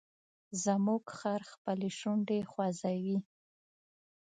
زموږ خر خپلې شونډې خوځوي.